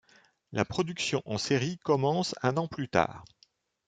La production en série commence un an plus tard.